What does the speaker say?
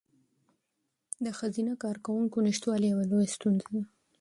د ښځینه کارکوونکو نشتوالی یوه لویه ستونزه ده.